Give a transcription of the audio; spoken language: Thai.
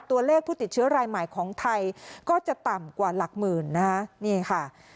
ตัวเลขผู้ติดเชื้อรายใหม่ของไทยก็จะต่ำกว่าหลักหมื่นนะคะนี่ค่ะ